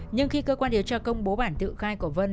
nhưng khi cơ quan điều tra công bố bản tự khai của vân